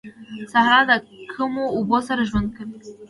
صحرا د کمو اوبو سره ژوند کوي